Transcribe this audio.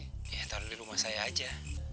ya taruh di rumah saya aja